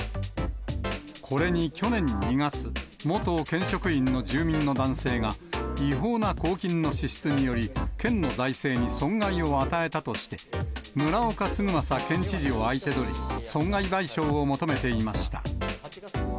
これに去年２月、元県職員の住民の男性が、違法な公金の支出により県の財政に損害を与えたとして、村岡嗣政県知事を相手取り、損害賠償を求めていました。